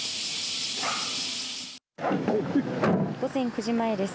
午前９時前です。